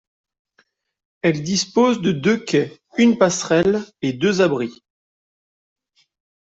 Elle dispose de deux quais, une passerelle et deux abris.